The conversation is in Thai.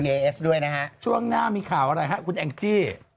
เอ้าดี